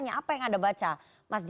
apa yang ada baca mas j